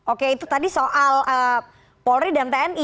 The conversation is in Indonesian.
oke itu tadi soal polri dan tni